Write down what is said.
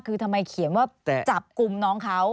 คือทำไมเขียนว่าจับกลุ่มน้องเขา